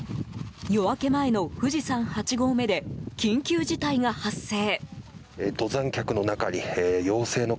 夜明け前の富士山八合目で緊急事態が発生。